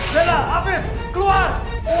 bella afif keluar